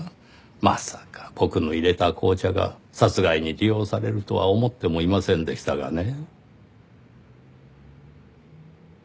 まさか僕の入れた紅茶が殺害に利用されるとは思ってもいませんでしたがね。